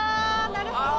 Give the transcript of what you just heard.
なるほど。